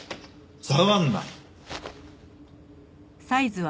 触んな！